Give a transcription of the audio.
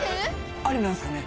アリなんすかね？